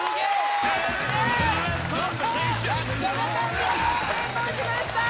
見事成功しました！